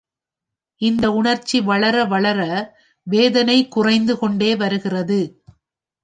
இந்த உணர்ச்சி வளர வளர, வேதனை குறைந்து கொண்டே வருகிறது.